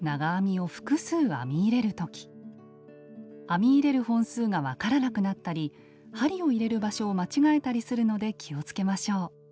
編み入れる本数が分からなくなったり針を入れる場所を間違えたりするので気をつけましょう。